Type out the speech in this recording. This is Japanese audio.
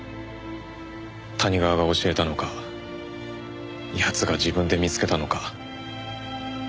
谷川が教えたのか奴が自分で見つけたのか。